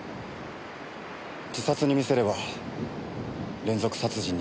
自殺に見せれば連続殺人には見えない。